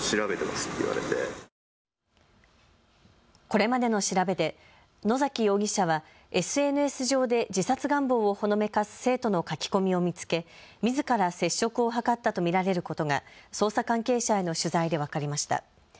これまでの調べで野崎容疑者はＳＮＳ上で自殺願望をほのめかす生徒の書き込みを見つけみずから接触を図ったと見られることが捜査関係者への取材で分かりました。